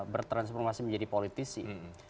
bertransformasi menjadi politisi